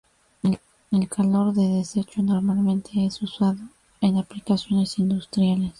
El calor de desecho normalmente es usado en aplicaciones industriales.